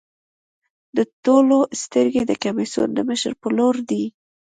د ټولو سترګې د کمېسیون د مشر په لور دي.